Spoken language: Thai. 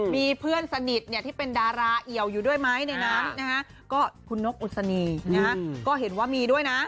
มีเพื่อนสนิทที่เป็นดาราเอี่ยวอยู่ด้วยไหมในนั้นนะฮะก็คุณนกอุศนีนะฮะก็เห็นว่ามีด้วยนะ